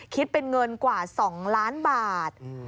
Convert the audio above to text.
คิดเป็นเงินกว่า๒ล้านบาท